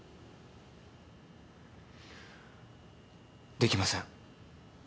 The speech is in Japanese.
できません。